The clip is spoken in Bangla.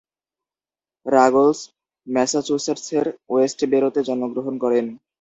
রাগলস ম্যাসাচুসেটসের ওয়েস্টবোরোতে জন্মগ্রহণ করেন।